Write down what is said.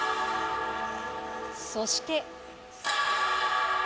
そして。